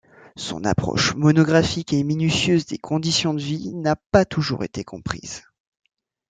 Son approche monographique et minutieuse des conditions de vie n’a pas toujours été comprise.